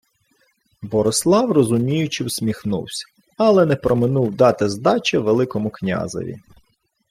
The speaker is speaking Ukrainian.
Борислав розуміюче всміхнувсь, але не проминув дати здачі Великому князеві: